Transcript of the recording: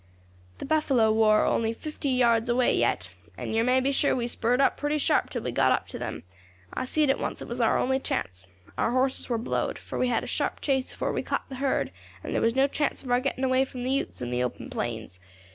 "The buffalo war only fifty yards away yet, and yer may be sure we spurred up pretty sharp till we got up to them. I seed at once it was our only chance. Our horses war blowed, for we had had a sharp chase afore we caught the herd, and there was no chance of our getting away from the Utes in the open plains.